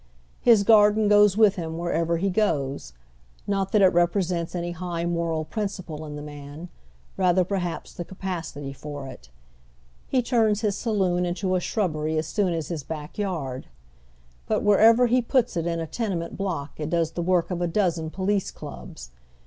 His garden goes with him wherever he goes. !Not that it represents any high moral principle in the man ; rather perhaps the capacity for it. He turns his saloon into a shrnhbery as soon as his back yard. But wherever he puts it in a tenement block it does the work of a dozen police clubs.